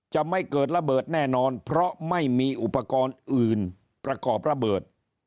จะไม่เกิดระเบิดแน่นอนเพราะไม่มีอุปกรณ์อื่นประกอบระเบิด